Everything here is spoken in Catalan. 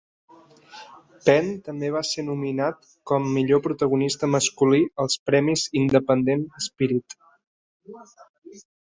Penn també va ser nominat com millor protagonista masculí als Premis Independent Spirit.